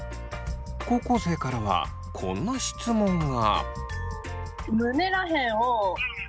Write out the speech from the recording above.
高校生からはこんな質問が。